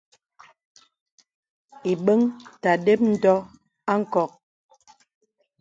Ìbəŋ ta də́p ndɔ̄ a nkɔk.